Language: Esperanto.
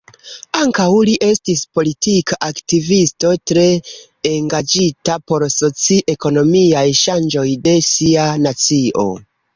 Ankaŭ li estis politika aktivisto, tre engaĝita por soci-ekonomiaj ŝanĝoj de sia nacio.